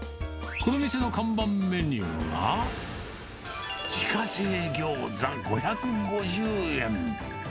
この店の看板メニューは、自家製餃子５５０円。